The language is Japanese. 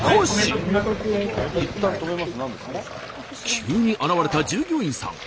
急に現れた従業員さん。